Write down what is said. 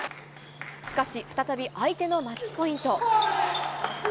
しかし再び相手のマッチポイント。